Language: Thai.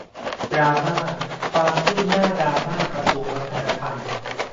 ดราม่า ความคืบหนั้าดราม่ากระทรวงวัฒนธรรม